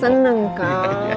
tapi seneng kan